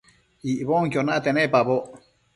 Icbonquiobi nate nepaboc